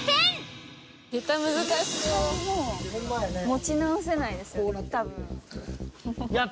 持ち直せないですよね